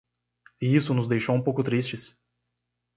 E isso nos deixou um pouco tristes.